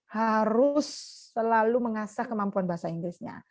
harus selalu mengasah kemampuan bahasa inggrisnya